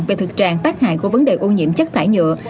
về thực trạng tác hại của vấn đề ô nhiễm chất thải nhựa